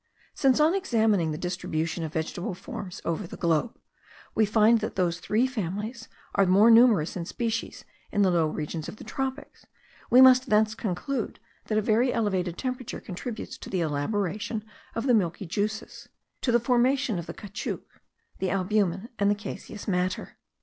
Since, on examining the distribution of vegetable forms over the globe, we find that those three families are more numerous in species in the low regions of the tropics, we must thence conclude, that a very elevated temperature contributes to the elaboration of the milky juices, to the formation of caoutchouc, albumen, and caseous matter.